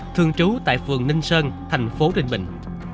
thường trú tại phường ninh sơn thành phố đình bình